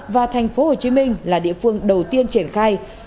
và thành phố hồ chí minh là địa phương đầu tiên triển khai